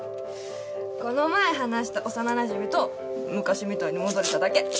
この前話した幼なじみと昔みたいに戻れただけ。